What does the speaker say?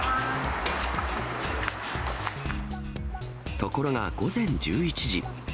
ところが、午前１１時。